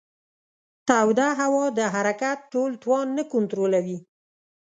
توده هوا د حرکت ټول توان نه کنټرولوي.